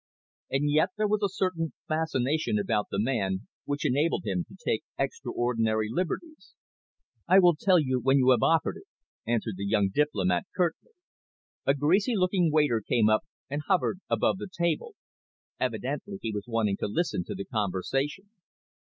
And yet there was a certain fascination about the man which enabled him to take extraordinary liberties. "I will tell you when you have offered it," answered the young diplomat curtly. A greasy looking waiter came up and hovered about the table. Evidently he was wanting to listen to the conversation.